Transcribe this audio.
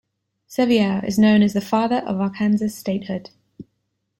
Sevier is known as the "Father of Arkansas Statehood".